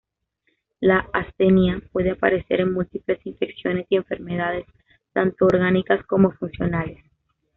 La astenia puede aparecer en múltiples infecciones y enfermedades, tanto orgánicas como funcionales.